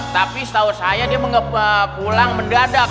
tapi setahu saya dia pulang mendadak